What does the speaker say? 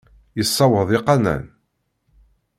Yessawaḍ iqannan.